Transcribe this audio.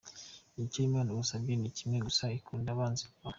icyo Imana igusaba ni kimwe gusa ukunde abanzi bawe.